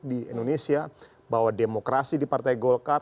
di indonesia bahwa demokrasi di partai golkar